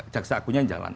caksa agungnya jalan